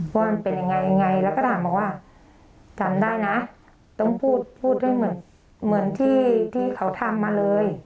ว่ามันเป็นยังไงแล้วก็ถามบอกว่าจำได้นะต้องพูดให้เหมือนที่เขาทำมาเลย